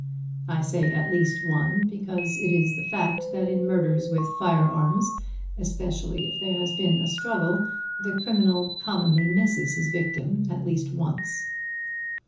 (I say at least one, because it is the fact that in murders with firearms, especially if there has been a struggle, the criminal commonly misses his victim at least once.)